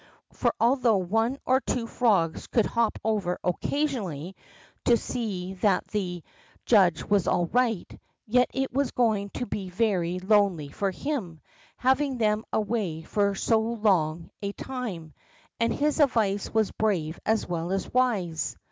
For although one or two frogs could hop over occasionally to see that the 84 THE ROCK FROG judge was all right, yet it was going to be very lonely for him, having them away for so long a time, and his advice was brave as well as wise.